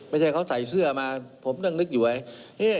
ไม่ใช่เขาใส่เสื้อมาผมนั่งนึกอยู่ไว้